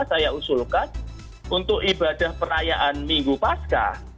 saya usulkan untuk ibadah perayaan minggu pasca